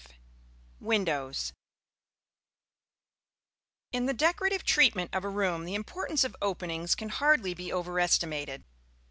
V WINDOWS In the decorative treatment of a room the importance of openings can hardly be overestimated.